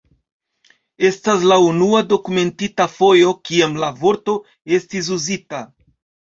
Estas la unua dokumentita fojo, kiam la vorto estis uzita.